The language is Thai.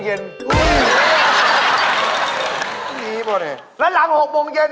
เออเออเออเออจริงเว้ย